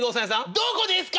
どこですか？